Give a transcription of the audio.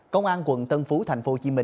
công an quận tân phú tp hcm